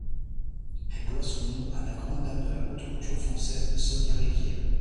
Elle doit son nom à la grande dame de la haute-couture française Sonia Rykiel.